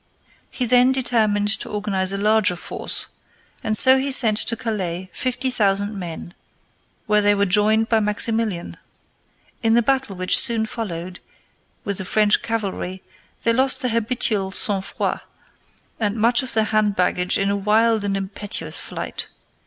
He then determined to organize a larger force, and so he sent to Calais fifty thousand men, where they were joined by Maximilian. In the battle which soon followed with the French cavalry, they lost their habitual sang froid and most of their hand baggage in a wild and impetuous flight.